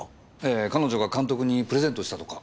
彼女が監督にプレゼントしたとか。